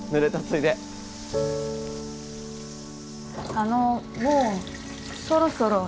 あのもうそろそろ。